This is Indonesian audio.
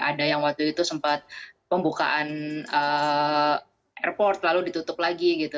ada yang waktu itu sempat pembukaan airport lalu ditutup lagi gitu